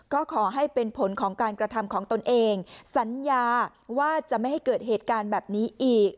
ก็ขอให้เป็นผลของการกระทำของตนเองสัญญาว่าจะไม่ให้เกิดเหตุการณ์แบบนี้อีก